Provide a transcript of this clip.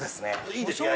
いいですか？